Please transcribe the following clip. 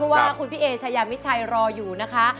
ว่าคุณพี่เอชายามิชัยรออยู่นะคะ